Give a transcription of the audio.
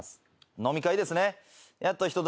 飲み会ですね。